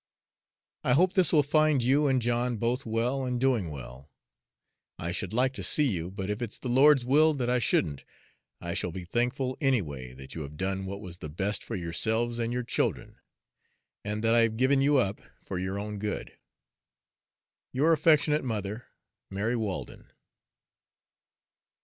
I hope this will find you and John both well, and doing well. I should like to see you, but if it's the Lord's will that I shouldn't, I shall be thankful anyway that you have done what was the best for yourselves and your children, and that I have given you up for your own good. Your affectionate mother, MARY WALDEN.